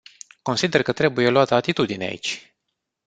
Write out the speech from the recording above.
Consider că trebuie luată atitudine aici.